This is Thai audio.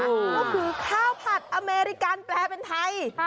ก็คือข้าวผัดอเมริกันแปลเป็นไทย